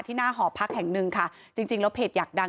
หน้าหอพักแห่งหนึ่งค่ะจริงจริงแล้วเพจอยากดัง